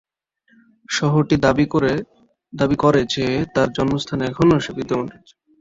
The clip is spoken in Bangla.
শহরটি দাবি করে যে তার জন্মস্থান এখনও সেখানে বিদ্যমান আছে।